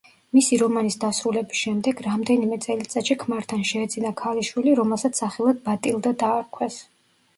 მისი რომანის დასრულების შემდეგ რამდენიმე წელიწადში ქმართან შეეძინა ქალიშვილი, რომელსაც სახელად ბატილდა დაარქვეს.